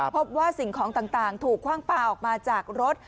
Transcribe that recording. พบว่าสิ่งของต่างถูกคว่างปลาออกมาจากรถ